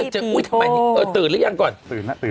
โจ๊คเอาอยู่ตื่นหรือยังก่อน